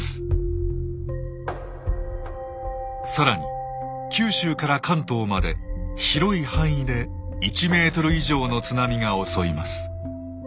更に九州から関東まで広い範囲で１ｍ以上の津波が襲います。